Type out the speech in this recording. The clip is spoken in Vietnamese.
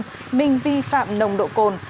nguyễn văn vịnh vi phạm nồng độ cồn